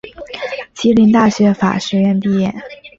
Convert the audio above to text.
吉林大学法学院毕业。